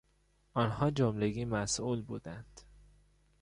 آنها جملگی مسئول بودند.